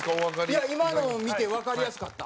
蛍原：今の見てわかりやすかった。